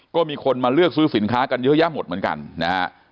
ก็มีคนมาเลือกซื้อสินค้ากันเยอะแยะหมดเหมือนกันนะฮะ